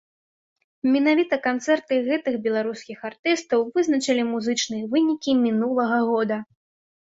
Менавіта канцэрты гэтых беларускіх артыстаў вызначылі музычныя вынікі мінулага года.